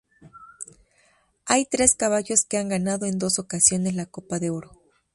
Hay tres caballos que han ganado en dos ocasiones la Copa de Oro.